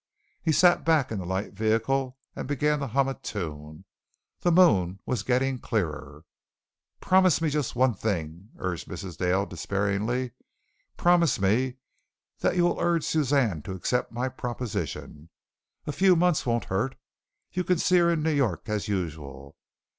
He sat back in the light vehicle and began to hum a tune. The moon was getting clearer. "Promise me just one thing," urged Mrs. Dale despairingly. "Promise me that you will urge Suzanne to accept my proposition. A few months won't hurt. You can see her in New York as usual.